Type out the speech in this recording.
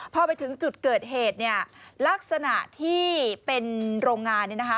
พอไปถึงจุดเกิดเหตุเนี่ยลักษณะที่เป็นโรงงานเนี่ยนะคะ